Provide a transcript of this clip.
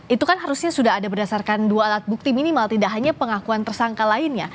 itu kan harusnya sudah ada berdasarkan dua alat bukti minimal tidak hanya pengakuan tersangka lainnya